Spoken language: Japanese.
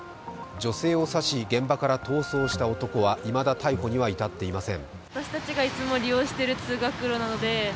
女性を刺し現場から逃走した男はいまだ逮捕には至っていません。